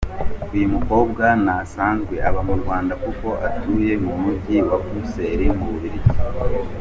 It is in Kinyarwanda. Uyu mukobwa ntasanzwe aba mu Rwanda kuko atuye mu Mujyi wa Bruxelles mu Bubiligi.